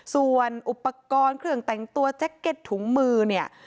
ส่วนอุปกรณ์เครื่องแต่งตัวแจ็คเก็ตถุงมือเนี่ย